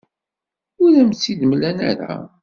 Ur am-tt-id-mlan ara.